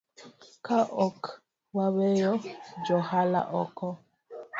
Ka ok waweyo joohala oko